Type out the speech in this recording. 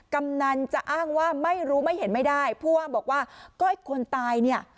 กำนันจะอ้างว่าไม่รู้ไม่เห็นไม่ได้ผู้ว่าบอกว่าก็คนตายเนี่ย